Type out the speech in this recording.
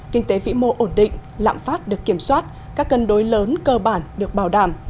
kinh tế vĩ mô ổn định lạm phát được kiểm soát các cân đối lớn cơ bản được bảo đảm